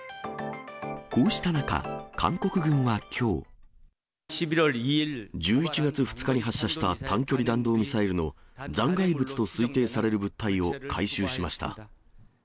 こうした中、韓国軍はきょう。１１月２日に発射した短距離弾道ミサイルの残骸物と推定される物体を回収しました。